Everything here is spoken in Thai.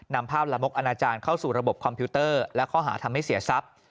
นำภาพละมกอนาจารย์เข้าสู่ระบบคอมพิวเตอร์และข้อหาทำให้เสียทรัพย์